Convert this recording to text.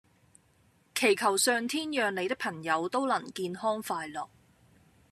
祈求上天讓你的朋友都能健康快樂